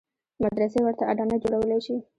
مدرسې ورته اډانه جوړولای شي.